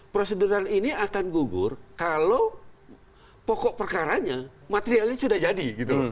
prosedural ini akan gugur kalau pokok perkaranya materialnya sudah jadi gitu loh